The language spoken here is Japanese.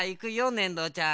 ねんどちゃん。